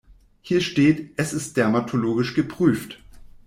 Hier steht, es ist dermatologisch geprüft.